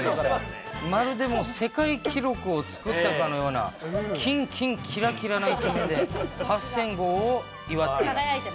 まるで世界記録を作ったかのような、きんきんきらきらな１面で、８０００号を祝っています。